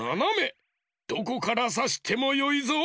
どこからさしてもよいぞ。